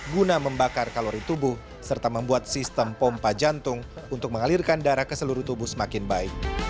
guna membakar kalori tubuh serta membuat sistem pompa jantung untuk mengalirkan darah ke seluruh tubuh semakin baik